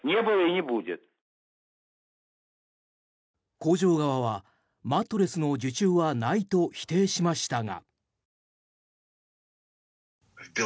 工場側はマットレスの受注はないと否定しましたが。